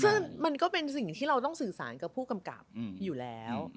ซึ่งมันก็เป็นสิ่งที่เราต้องสื่อสารกับผู้กำกับอยู่แล้ว